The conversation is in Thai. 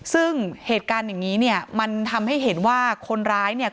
ซึ่งเหตุการณ์อย่างนี้เนี่ยมันทำให้เห็นว่าคนร้ายเนี่ย